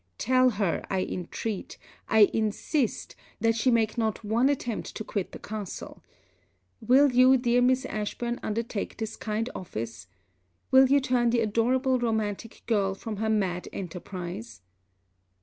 Tell her, I intreat, I insist, that she make not one attempt to quit the castle. Will you, dear Miss Ashburn, undertake this kind office? Will you turn the adorable romantic girl from her mad enterprise?'